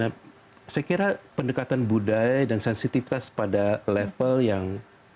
nah saya kira pendekatan budaya dan sensitivitas pada level yang